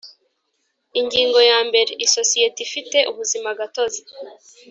Ingingo ya mbere Isosiyete ifite ubuzima gatozi